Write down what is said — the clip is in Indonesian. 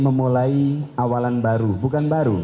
memulai awalan baru bukan baru